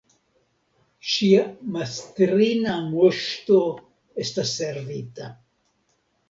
Ŝia mastrina Moŝto estas servita!